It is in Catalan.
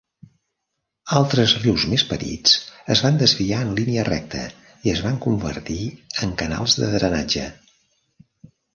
Altres rius més petits es van desviar en línia recta i es van convertir en canals de drenatge.